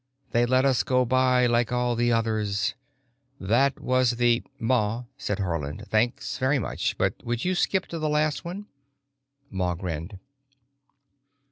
They let us go by like all the others. That was the——" "Ma," said Haarland. "Thanks very much, but would you skip to the last one?" Ma grinned.